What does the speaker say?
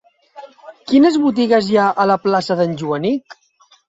Quines botigues hi ha a la plaça d'en Joanic?